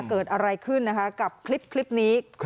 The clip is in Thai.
เกิดอะไรขึ้นนะคะกับคลิปนี้